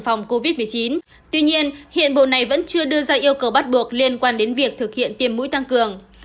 phòng covid một mươi chín tuy nhiên hiện bộ này vẫn chưa đưa ra yêu cầu bắt buộc liên quan đến việc thực hiện tiêm mũi tăng cường